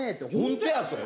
「ホントやそれ。